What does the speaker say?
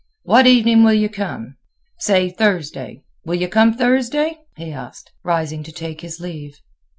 "What evening will you come? Say Thursday. Will you come Thursday?" he asked, rising to take his leave.